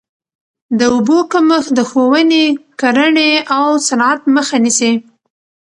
د اوبو کمښت د ښووني، کرهڼې او صنعت مخه نیسي.